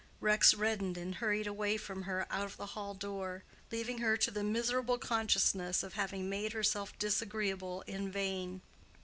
Rex reddened and hurried away from her out of the hall door, leaving her to the miserable consciousness of having made herself disagreeable in vain.